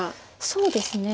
そうですね。